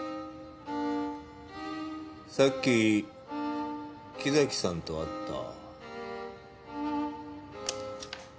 さっき木崎さんと会った。